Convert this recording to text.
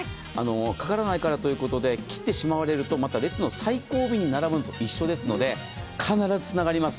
かからないからと切ってしまわれるとまた列の最後尾に並ぶのと一緒ですので、必ずつながります。